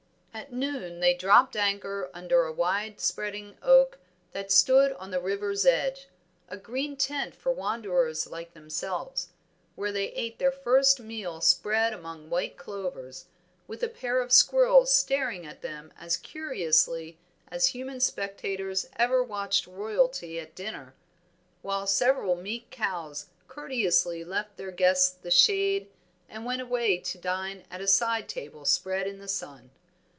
At noon they dropped anchor under a wide spreading oak that stood on the river's edge, a green tent for wanderers like themselves; there they ate their first meal spread among white clovers, with a pair of squirrels staring at them as curiously as human spectators ever watched royalty at dinner, while several meek cows courteously left their guests the shade and went away to dine at a side table spread in the sun.